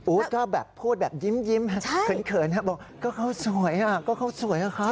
ก็แบบพูดแบบยิ้มเขินบอกก็เขาสวยก็เขาสวยอะครับ